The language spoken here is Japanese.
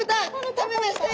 食べましたよ！